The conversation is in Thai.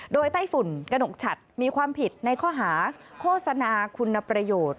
โดยไต้ฝุ่นกระหนกฉัดมีความผิดในข้อหาโฆษณาคุณประโยชน์